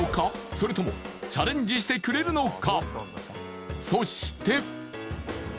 それともチャレンジしてくれるのか？